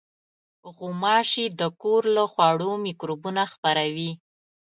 غوماشې د کور له خوړو مکروبونه خپروي.